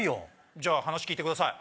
じゃあ話聞いてください。